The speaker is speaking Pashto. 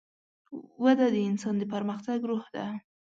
وده د انسان د پرمختګ روح ده.